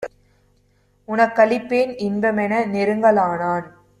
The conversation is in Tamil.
உனக்களிப்பேன் இன்பமென நெருங்க லானான்!